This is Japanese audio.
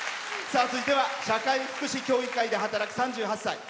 続いては社会福祉協議会で働く３８歳。